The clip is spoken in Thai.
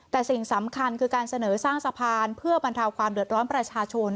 แต่สิ่งสำคัญคือการเสนอสร้างสะพานเพื่อบรรเทาความเดือดร้อนประชาชน